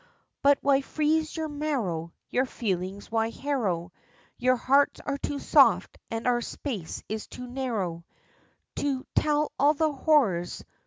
But why freeze your marrow Your feelings why harrow? Your hearts are too soft and our space is too narrow To tell all the horrors!